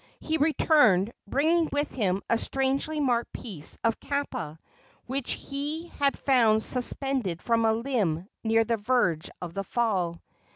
He returned, bringing with him a strangely marked piece of kapa which he had found suspended from a limb near the verge of the fall.